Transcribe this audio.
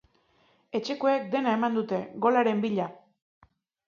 Etxekoek dena eman dute, golaren bila.